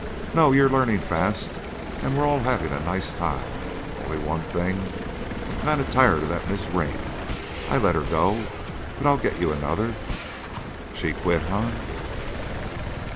No, you're learnin' fast, and we're all havin' a nice time. Only one thing I'm kinda tired of that Miz' Ring. I let her go, but I'll get you another " "She quit, eh?"